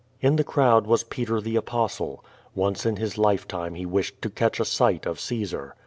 In the crowd was Peter the Apostle. Once in his life time he wished to catch a sight of Caesar.